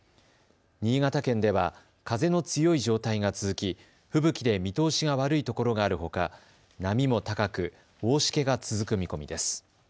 新潟県では風の強い状態が続きふぶきで見通しが悪いところがあるほか波も高く大しけが続く見込みです。